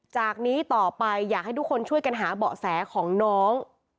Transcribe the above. จากนี้ต่อไปอยากให้ทุกคนช่วยกันหาเบาะแสของน้อง